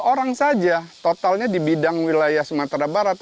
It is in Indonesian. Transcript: lima orang saja totalnya di bidang wilayah sumatera barat